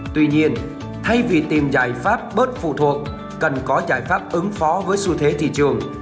tuy nhiên thay vì tìm giải pháp bớt phụ thuộc cần có giải pháp ứng phó với xu thế thị trường